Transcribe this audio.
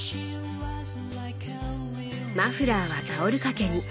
マフラーはタオル掛けに。